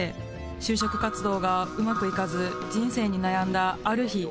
就職活動がうまくいかず人生に悩んだ、ある日。